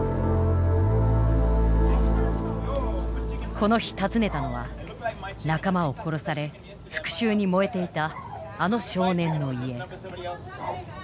この日訪ねたのは仲間を殺され復讐に燃えていたあの少年の家。